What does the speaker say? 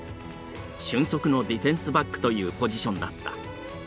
俊足のディフェンスバックというポジションだった。